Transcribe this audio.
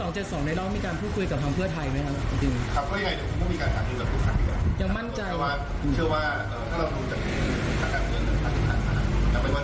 ถ้าเรารู้จักอาการเลือกจากสภาพแล้วไม่ว่าจะเป็นเจรติที่หลักสภาพสตาม